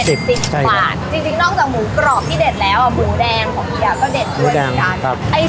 สิบบาทจริงนอกจากหมูกรอบที่เด็ดแล้วอ่ะหมูแดงของเฮียก็เด็ดด้วยเหมือนกัน